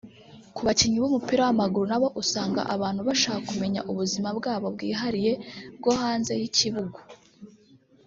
Ku bakinnyi b’umupira w’amaguru nabo usanga abantu bashaka kumenya ubuzima bwabo bwihariye bwo hanze y’ikibugu